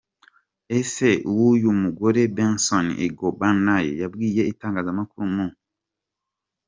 Ise wuyu mugore, Benson Igbanoi yabwiye itangazamakuru mu.